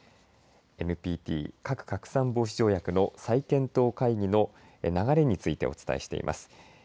ＮＰＴ、核拡散防止条約の再検討会議の流れについてお伝えしています。